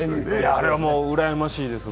あれはうらやましいです。